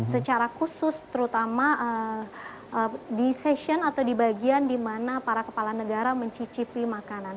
secara khusus terutama di session atau di bagian di mana para kepala negara mencicipi makanan